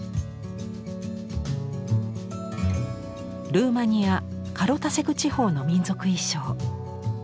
ルーマニアカロタセグ地方の民族衣装。